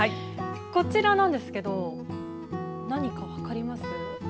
こちらなんですけど何か分かります。